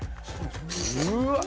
うわっ！